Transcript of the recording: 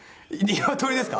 鶏ですか？